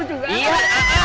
wih apa sih